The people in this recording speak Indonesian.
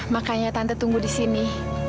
makanya tante tunggu di sini